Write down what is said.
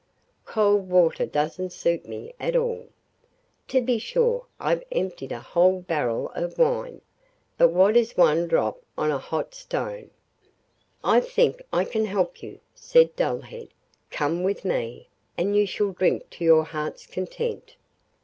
Cold water doesn't suit me at all. To be sure I've emptied a whole barrel of wine, but what is one drop on a hot stone?' 'I think I can help you,' said Dullhead. 'Come with me, and you shall drink to your heart's content.